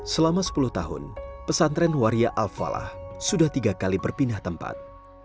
selama sepuluh tahun pesantren waria al falah sudah tiga kali berpindah tempat